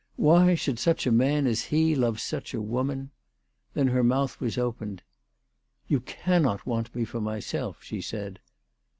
Why should such a man as he love such a woman ? Then her mouth was opened. " You cannot want me for myself/' she said.